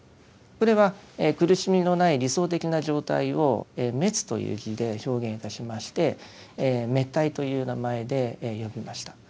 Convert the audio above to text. これは苦しみのない理想的な状態を「滅」という字で表現いたしまして滅諦という名前で呼びました。